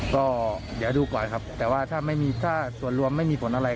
ก็เดี๋ยวดูก่อนครับแต่ว่าถ้าไม่มีถ้าส่วนรวมไม่มีผลอะไร